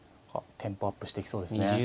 何かテンポアップしていきそうですね。